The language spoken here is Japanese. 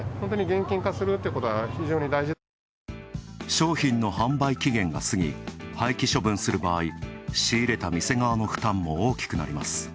商品の販売期限が過ぎ、廃棄処分する場合、仕入れた店側の負担も大きくなります。